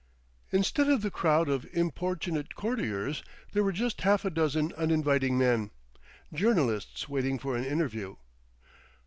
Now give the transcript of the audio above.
Instead of the crowd of importunate courtiers there were just half a dozen uninviting men, journalists waiting for an interview.